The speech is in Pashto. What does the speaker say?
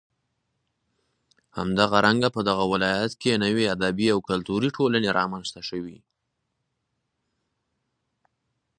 همدارنگه په دغه ولايت كې نوې ادبي او كلتوري ټولنې رامنځ ته شوې.